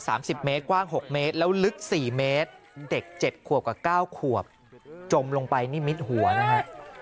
สิบเมตรกว้างหกเมตรแล้วลึกสี่เมตรเด็กเจ็ดขวบกับเก้าขวบจมลงไปนิมิดหัวนะฮะ